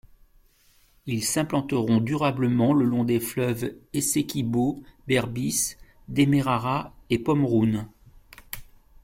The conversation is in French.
Ils s'implanteront durablement le long des fleuves Essequibo, Berbice, Demerara et Pomeroon.